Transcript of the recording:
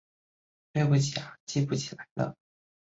对不起啊记不起来了